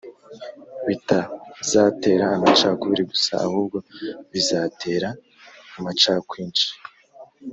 bitazatera amacakubiri gusa ahubwo bizatera amacakwinshi